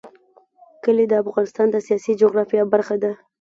کلي د افغانستان د سیاسي جغرافیه برخه ده.